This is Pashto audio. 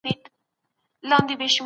د کور کثافات په مناسب ځای کې واچوئ.